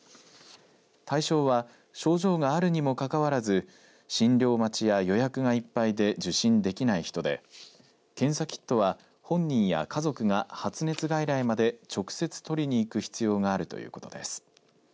対象は症状があるにもかかわらず診療待ちや予約がいっぱいで受診できない人で検査キットは本人や家族が発熱外来まで直接、取りに行く必要があるということです。